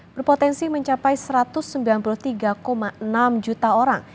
berpotensi mencapai satu ratus sembilan puluh tiga enam juta orang